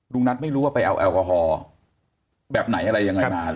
นัทไม่รู้ว่าไปเอาแอลกอฮอล์แบบไหนอะไรยังไงมา